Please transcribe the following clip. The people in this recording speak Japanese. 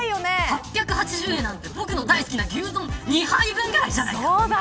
８８０円なんて僕の大好きな牛丼２杯分ぐらいじゃないか。